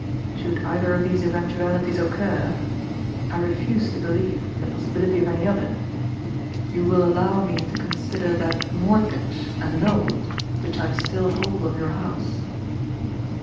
Should either of these eventualities occur — I refuse to be lieve in the possibility of any other — ^you will allow me to ALTOGETHER COMFORTABLE. 21 consider that mortgage annulled which I still hold on yonr house.